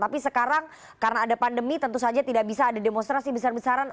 tapi sekarang karena ada pandemi tentu saja tidak bisa ada demonstrasi besar besaran